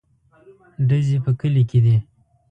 _ډزې په کلي کې دي.